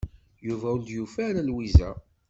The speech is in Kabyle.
Yuba ur d-yufi Lwiza.